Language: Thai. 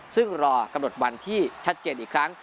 ซึ่งรอกำหนดวันที่ชัดเจนอีกครั้ง